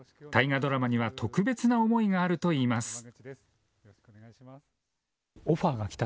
大河ドラマには特別な思いがあるといいます。